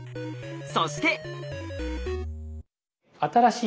そして。